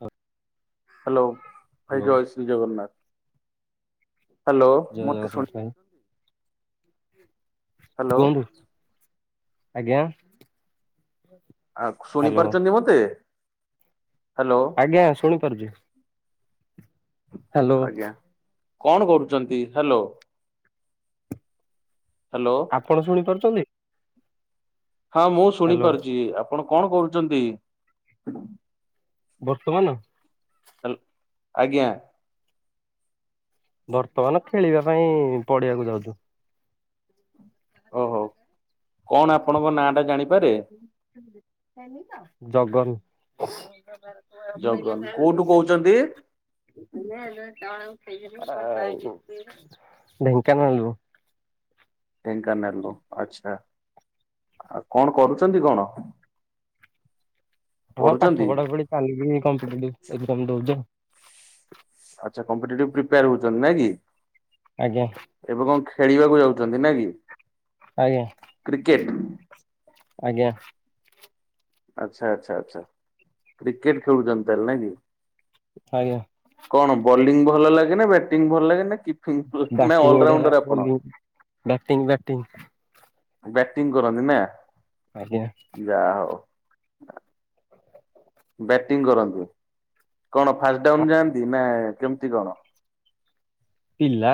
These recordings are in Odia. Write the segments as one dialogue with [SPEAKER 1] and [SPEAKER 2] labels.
[SPEAKER 1] ହଉ।
[SPEAKER 2] ହ୍ୟାଲୋ ଭାଇ ଜୟ ଶ୍ରୀ ଜଗନ୍ନାଥ। ହ୍ୟାଲୋ
[SPEAKER 1] ଜୟ
[SPEAKER 2] ମତେ
[SPEAKER 1] ଜଗନ୍ନାଥ ଭାଇ
[SPEAKER 2] ସୁଣିଛନ୍ତି।
[SPEAKER 1] [inaudible] କୁହନ୍ତୁ? ଆଜ୍ଞା।
[SPEAKER 2] ଆ ଶୁଣି
[SPEAKER 1] ହ୍ୟାଲୋ
[SPEAKER 2] ପାରୁଛନ୍ତି ମତେ? ହ୍ୟାଲୋ
[SPEAKER 1] ଆଜ୍ଞା ଶୁଣିପାରୁଛିୁ। ହ୍ୟାଲୋ।
[SPEAKER 2] ଆଜ୍ଞା କଣ କରୁଛନ୍ତି? ହ୍ୟାଲୋ ହ୍ୟାଲୋ
[SPEAKER 1] ଆପଣ ଶୁଣିପାରୁଛନ୍ତି?
[SPEAKER 2] ହଁ ମୁଁ
[SPEAKER 1] ହ୍ୟାଲୋ
[SPEAKER 2] ଶୁଣିପାରୁଛି। ଆପ ଆପଣ କଣ କରୁଛନ୍ତି?
[SPEAKER 1] ବର୍ତ୍ତମାନ।
[SPEAKER 2] ଆଜ୍ଞା।
[SPEAKER 1] ବର୍ତ୍ତମାନ ଖେଳିବା ପାଇଁ ପଢିବାକୁ ଯାଉଛୁ।
[SPEAKER 2] ଓ ହୋ।
[SPEAKER 1] ଜଗନ। [inaudible]
[SPEAKER 2] ଜଗନ କୋଉଠୁ
[SPEAKER 1] ହୋଇିଲ
[SPEAKER 2] କହୁଛନ୍ତି
[SPEAKER 1] ଦଣ। [unintelligible] ଢେଙ୍କାନାଳରୁ।
[SPEAKER 2] ଢେଙ୍କାନାଲୋ ଆଛା ଆଉ କଣ କରୁଛନ୍ତି କଣ?
[SPEAKER 1] ହଁ ପାଠ
[SPEAKER 2] ପଢୁଛନ୍ତି
[SPEAKER 1] ପଢା ପଢି ଚାଲିକି କମ୍ପିଟିଭିଟ ଏକ୍ଜାମ୍ ଦଉଚି।
[SPEAKER 2] କମ୍ପେଟେଟିଭ ପ୍ରିପେର ହଉଛନ୍ତି ନା କି?
[SPEAKER 1] ଆଜ୍ଞା।
[SPEAKER 2] ଏବେ କଣ ଖେଳିବାକୁ ଯାଉଛନ୍ତି ନା କି?
[SPEAKER 1] ଆଜ୍ଞା
[SPEAKER 2] କ୍ରିକେଟ।
[SPEAKER 1] ଆଜ୍ଞା।
[SPEAKER 2] ଆଚ୍ଛା ଆଚ୍ଛା ଆଚ୍ଛା କ୍ରିକେଟ ଖେଳୁଛନ୍ତି ତାହେଲେ ନାଇଁ କି?
[SPEAKER 1] ଆଜ୍ଞା।
[SPEAKER 2] କଣ ବୋଲିଂ ଭଲ ଲାଗେ ନା ବ୍ୟାଟିଂ ଭଲ ଲାଗେ ନା? କିପିଙ୍ଗ ନା
[SPEAKER 1] ବ୍ୟାଟିଂ ଆଉଟ୍
[SPEAKER 2] ଅଲରାଉଣ୍ଡର ଆପଣ?
[SPEAKER 1] Bowling batting batting.
[SPEAKER 2] ବ୍ୟାଟିଂ କରନ୍ତି ନା?
[SPEAKER 1] ଆଜ୍ଞା
[SPEAKER 2] ଯା ହଉ। ନା। ବ୍ୟାଟିଂ କରନ୍ତି। କଣ ଫାଷ୍ଟ ଡାଉନ ଯାଆନ୍ତି ନା କେମିତି କଣ?
[SPEAKER 1] ପିଲା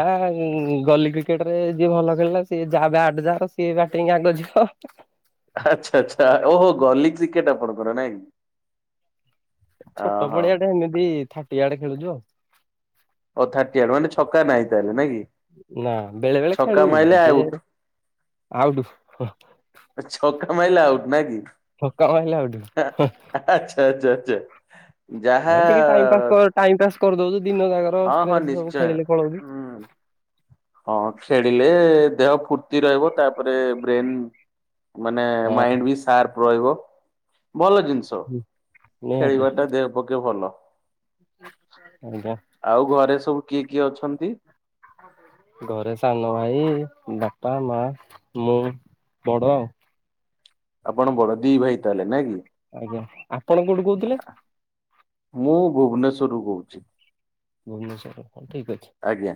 [SPEAKER 1] ଗଲି କ୍ରିକେଟ ରେ ଯିଏ ଭଲ ଖେଳିଲା ସିଏ ଯା ବ୍ୟାଟ ଯା ସିଏ ବ୍ୟାଟି ଆଗେ ଯିବ।
[SPEAKER 2] ଆଚ୍ଛା ଆଚ୍ଛା। ଓହୋ ଗଲି କ୍ରିକେଟ ଆପଣଙ୍କର ନାଇଁ।
[SPEAKER 1] ଛୋଟ
[SPEAKER 2] ଓହୋ
[SPEAKER 1] ପଡିଆଟା ଏମିତି ଥାଟିଆଡେ ଖେଳି ଯିବା?
[SPEAKER 2] ଓ ଥାର୍ଟିଆଡ ମାନେ ଛକା ନାହିଁ ତାହେଲେ ନା କି।
[SPEAKER 1] ନା। ବେଳେ ବେଳେ
[SPEAKER 2] ଛକା
[SPEAKER 1] ଖେଳୁ
[SPEAKER 2] ମାଇଲେ
[SPEAKER 1] ଯେ
[SPEAKER 2] ଆଉଟ୍
[SPEAKER 1] ଆଉଟ୍।
[SPEAKER 2] ଛକା ମାଇଲେ ଆଉଟ୍ ନା କି?
[SPEAKER 1] ଛକା ମାଇଲେ ଆଉଟ୍ ହେ
[SPEAKER 2] [unintelligible]
[SPEAKER 1] ହେ ଟିକେ ଟାଇମ୍ ପାସ୍ ଟାଇମ ପାସ୍ କରିଦଉଛୁ ଦିନ ଜାଗ
[SPEAKER 2] ହଁ ହଁ ନିଶ୍ଚୟ। ହୁଁ।
[SPEAKER 1] [unintelligible]
[SPEAKER 2] ହଁ ଖେଳିଲେ ଦେହ ଫୁର୍ତ୍ତି ରହିବ ତାପରେ ବ୍ରେନ ମାନେ
[SPEAKER 1] ହଁ
[SPEAKER 2] ମାଇଣ୍ଡ ବି ସାର୍ପ ରହିବ। ଭଲ ଜିନିଷ
[SPEAKER 1] ନିହାତି
[SPEAKER 2] ଖେଳିବା ଟା ଦେହ ପକ୍ଷେ ଭଲ।
[SPEAKER 1] [unintelligible]
[SPEAKER 2] ଆଉ ଘରେ ସବୁ କିଏ କିଏ ଅଛନ୍ତି?
[SPEAKER 1] ଘରେ ସାନ ଭାଇ ବାପା ମା ମୁଁ ବଡ ଆଉ।
[SPEAKER 2] ଆପଣ ବଡ ଦି ଭାଇ ତାହେଲେ ନାଇଁ କି?
[SPEAKER 1] ଆଜ୍ଞା ଆପଣ କୋଉଠୁ କହୁଥିଲେ
[SPEAKER 2] ମୁଁ ଭୁବନେଶ୍ଵରରୁୁ କହୁଛି।
[SPEAKER 1] ଭୁବନେଶ୍ୱର ରେ।
[SPEAKER 2] ଆଜ୍ଞା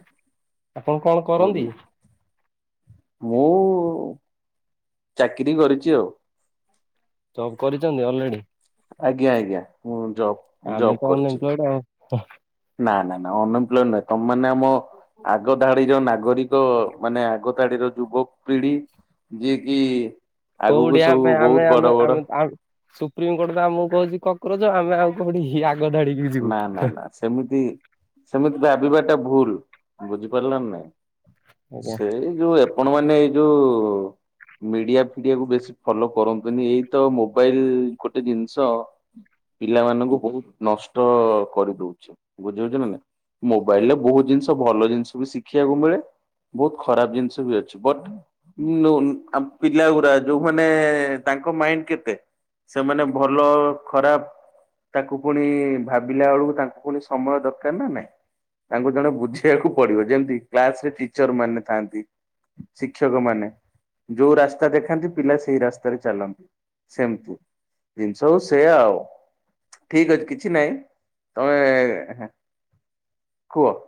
[SPEAKER 1] କଣ କରନ୍ତି
[SPEAKER 2] ମୁଁ ଚାକିରି କରିଛି ଆଉ।
[SPEAKER 1] ଜବ କରିଛନ୍ତି ଅଲରେଡି?
[SPEAKER 2] ଆଜ୍ଞା ଆଜ୍ଞା ମୁଁ ଜବ ଜବ କରିଛି।
[SPEAKER 1] ଉହୁଁ।
[SPEAKER 2] ନା ନା ନା ଅନଏମ୍ପ୍ଲ ନଁ ତମ ମାନେ ଆମ ଆଗ ଧାଡିର ନାଗରିକ ମାନେ ଆଗ ଧାଡିର ଯୁବ ପିଢି ଯିଏ କିି ଆଗକୁ
[SPEAKER 1] ହଉଠିଆ
[SPEAKER 2] ସବୁ
[SPEAKER 1] ଆମେ
[SPEAKER 2] ବହୁତ
[SPEAKER 1] ଆମେ
[SPEAKER 2] ବଡ ବଡ
[SPEAKER 1] ଆମେମେ ସୁପ୍ରିମକୋର୍ଟ ତ ଆମକୁ କହୁଛି। କକରୋଜ ଆମେ ଆଉ କୋଉଠି ଧାଡିକି ଯିବୁ
[SPEAKER 2] ନା ନା ନା ସେମିତି ସେମିତି ଭାବ ଟା ଭୁଲ ବୁଝିପାରିଲାନ ନାଇଁ?
[SPEAKER 1] ଆଜ୍ଞା।
[SPEAKER 2] ସେଇ ଯୋଉ ଆପଣ ମାନେ ଏଇ ଯୋଉ ମିଡିଆ ଫିଡିଆ କୁ ବେଶୀ ଫଲୋ କରନ୍ତୁନି। ଏଇତ ମୋବାଇଲ ଗୋଟେ ଜିନିଷ ପିଲାମାନଙ୍କୁ ବହୁତ ନଷ୍ଟ କରିଦଉଛ ବୁଝାରୁଛ ନା ନା ମୋବାଇଲ ରେ ବହୁତ ଜିନିଷ ଭଲ ଜିନିଷ ବି ଶିଖିବାକୁ ମିଳେ ବହୁତ ଖରାପ ଜିନିଷ ବି ଅଛି ବଟ ପିଲ ଗୁଡା ଯୋଉମାନେ ତାଙ୍କ ମାଇଣ୍ଡ କେତେ ସେମାନେ ଭଲ ଖରାପ ତାକୁ ପୁଣି ଭାବିଲା ବେଳକୁ ତାଙ୍କୁ ପୁଣି ସମୟ ଦରକାର ନା ନାଇଁ ତାଙ୍କୁ ଜଣେ ବୁଝେଇବାକୁ ପଡିବ ଯେମତି କ୍ଲାସ ରେ ଟିଚର ମାନେ ଥାନ୍ତି ଶିକ୍ଷକ ମାନେ ଯୋଉ ରାସ୍ତା ଦେଖାନ୍ତି ପିଲା ସେଇ ରାସ୍ତାରେ ଚାଲନ୍ତି। ସେମିତି ଜିନିଷ ହଉ ସେ ଆଉ ଠିକ ଅଛି କିଛି ନାଇଁ। ତମେ କୁହ?